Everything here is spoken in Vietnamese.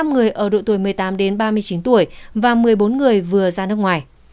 hai mươi năm người ở độ tuổi một mươi tám ba mươi chín tuổi và một mươi bốn người vừa ra nước ngoài